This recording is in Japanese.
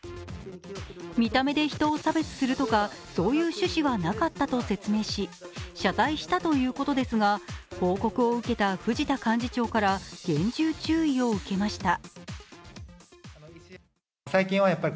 見た目で人を差別するとかそういう趣旨はなかったと発言し謝罪したということですが、報告を受けた藤田幹事長から厳重注意を受けました。